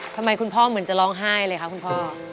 คุณพ่อเหมือนจะร้องไห้เลยคะคุณพ่อ